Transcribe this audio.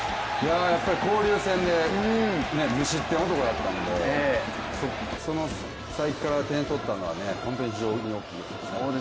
交流戦で無失点男だったんで、その才木から点を取ったのは非常に大きいですね。